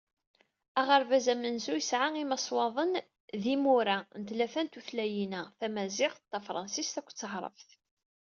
Aɣerbaz amenzu yesɛa imaswaḍen d yimura n tlata n tutlayin-a: Tamaziɣt, Tafransist akked Taεrabt.